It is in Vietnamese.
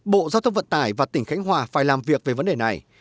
bộ giao thông vận tải và tỉnh khánh hòa phải làm việc về vấn đề này